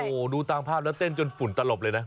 โอ้โหดูตามภาพแล้วเต้นจนฝุ่นตลบเลยนะ